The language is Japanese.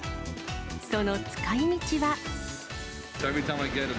その使いみちは。